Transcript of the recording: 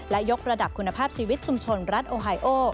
และยกระดับคุณภาพชีวิตชุมชนรัฐโอไฮโอ